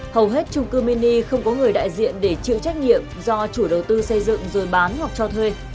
hầu hết trung cư mini không có người đại diện để chịu trách nhiệm do chủ đầu tư xây dựng rồi bán hoặc cho thuê